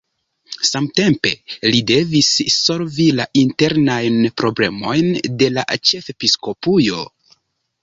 Samtempe li devis solvi la internajn problemojn de la ĉefepiskopujo.